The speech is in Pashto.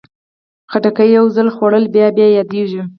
خټکی یو ځل خوړل بیا بیا یادېږي.